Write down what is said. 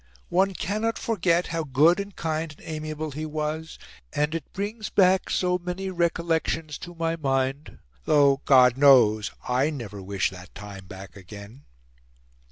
One cannot forget how good and kind and amiable he was, and it brings back so many recollections to my mind, though, God knows! I never wish that time back again."